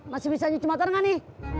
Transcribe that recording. masih bisa nyucum atar ani